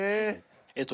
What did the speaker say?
えっと